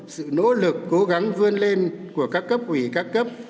sự nỗ lực cố gắng vươn lên của các cấp ủy các cấp